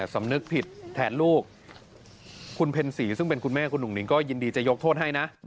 สำนึกผิดแทนลูกคุณเพ็ญศรีซึ่งเป็นคุณแม่คุณหุ่งหิงก็ยินดีจะยกโทษให้นะ